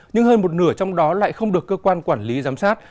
nhưng hơn một nửa trong đó lại không được cơ quan quản lý giám sát